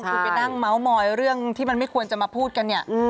คือไปนั่งเมาส์มอยเรื่องที่มันไม่ควรจะมาพูดกันเนี่ย